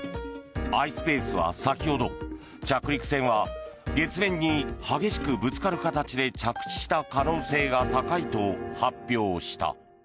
ｉｓｐａｃｅは先ほど、着陸船は月面に激しくぶつかる形で着地した可能性が高いと発表した。